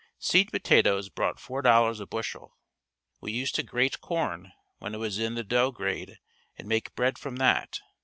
Seed potatoes brought $4.00 a bushel. We used to grate corn when it was in the dough grade and make bread from that.